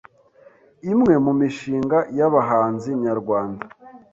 Imwe mu mishinga y’abahanzi nyarwanda